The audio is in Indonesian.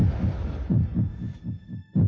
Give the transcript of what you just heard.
yang udah ngerubah rasa benci lu jadi cinta